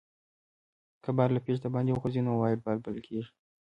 که بال له پيچ دباندي وغورځي؛ نو وایډ بال بلل کیږي.